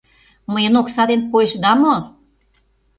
Мыйын окса дене пойышда мо?..